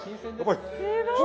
すごい！